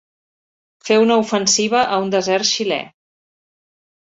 Fer una ofensiva a un desert xilè.